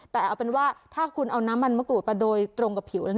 แต่เอาเป็นว่าถ้าคุณเอาน้ำมันมะกรูดมาโดยตรงกับผิว